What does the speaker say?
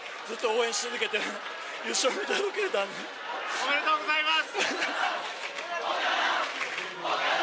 おめでとうございます。